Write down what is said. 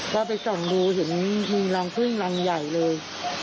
ก็ไปส่องดูเห็นมีรังพึ่งรังใหญ่เลย